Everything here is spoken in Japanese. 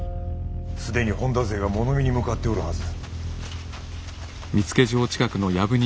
既に本多勢が物見に向かっておるはず。